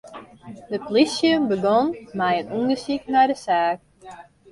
De polysje begûn mei in ûndersyk nei de saak.